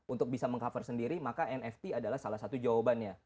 untuk bisa meng cover sendiri maka nft adalah salah satu jawabannya